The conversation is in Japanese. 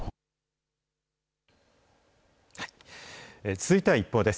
続いてはＩＰＰＯＵです。